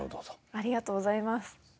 ありがとうございます。